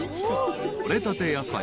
［取れたて野菜］